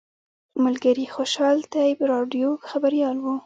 ملګري خوشحال طیب راډیو خبریال و.